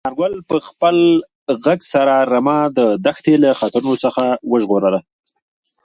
انارګل په خپل غږ سره رمه د دښتې له خطرونو څخه وژغورله.